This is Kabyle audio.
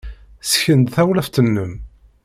Ssken-d tawlaft-nnem.